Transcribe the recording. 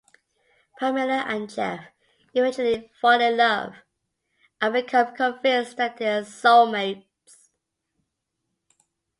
Pamela and Jeff eventually fall in love and become convinced that they are soulmates.